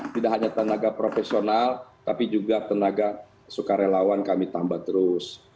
tidak hanya tenaga profesional tapi juga tenaga sukarelawan kami tambah terus